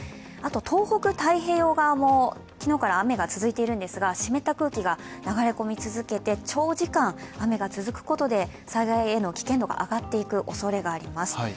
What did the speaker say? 東北太平洋側も昨日から雨が続いているんですが、湿った空気が流れ込み続けて長時間雨が続くことで、災害への危険度が上がっていくおそれがあります。